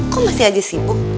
kok masih aja sibuk